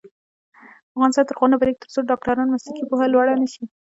افغانستان تر هغو نه ابادیږي، ترڅو د ډاکټرانو مسلکي پوهه لوړه نشي.